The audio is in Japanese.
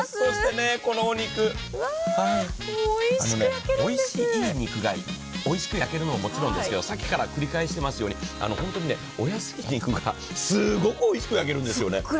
そしてこのお肉、ああいい肉がおいしく焼けるのはもちろんですけど、さっきからくり返していますように、本当にお安い肉がすごくおいしく焼けるんですよね。